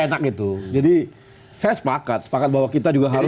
juga enak gitu jadi saya sepakat bahwa kita juga harus